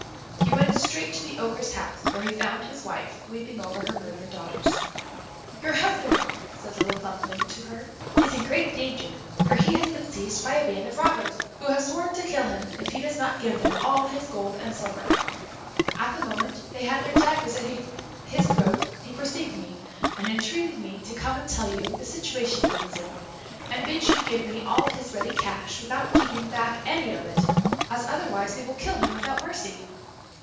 He went straight to the Ogre's house, where he found his wife weeping over her murdered daughters. "Your husband," said Little Thumbling to her, "is in great danger, for he has been seized by a band of robbers, who have sworn to kill him if he does not give them all his gold and silver. At the moment they had their daggers at his throat he perceived me, and entreated me to come and tell you the situation he was in, and bid you give me all his ready cash, without keeping back any of it, as otherwise they will kill him without mercy.